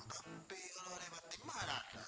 tapi kalo nempati mah ada